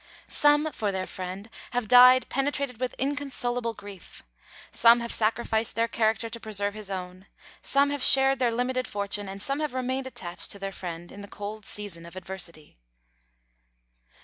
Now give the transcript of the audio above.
Some for their friend have died penetrated with inconsolable grief; some have sacrificed their character to preserve his own; some have shared their limited fortune; and some have remained attached to their friend in the cold season of adversity.